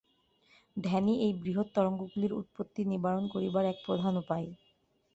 ধ্যানই এই বৃহৎ তরঙ্গগুলির উৎপত্তি নিবারণ করিবার এক প্রধান উপায়।